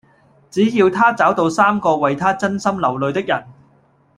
只要她找到三個為她真心流淚的人